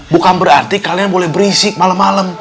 bukan berarti kalian boleh berisik malam malam